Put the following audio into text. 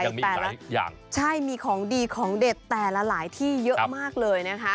หลายอย่างใช่มีของดีของเด็ดแต่ละหลายที่เยอะมากเลยนะคะ